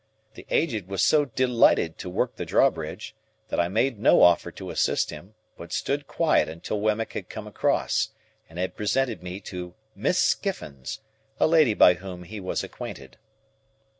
The Aged was so delighted to work the drawbridge, that I made no offer to assist him, but stood quiet until Wemmick had come across, and had presented me to Miss Skiffins; a lady by whom he was accompanied.